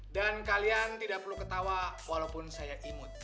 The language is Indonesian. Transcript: dan kalian tidak perlu ketawa walaupun saya imut